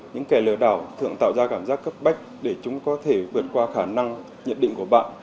những kẻ lừa đảo thường tạo ra cảm giác cấp bách để chúng có thể vượt qua khả năng nhận định của bạn